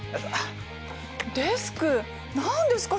デスク何ですか？